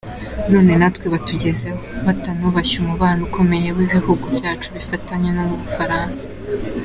none natwe batugezeho, batanubashye umubano ukomeye ibihugu byacu bifitanye n’u Bufaransa.